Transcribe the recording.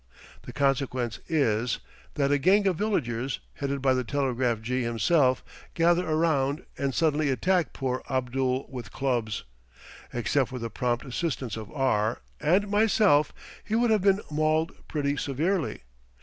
The consequence is that a gang of villagers, headed by the telegraph jee himself, gather around, and suddenly attack poor Abdul with clubs. Except for the prompt assistance of R and myself, he would have been mauled pretty severely.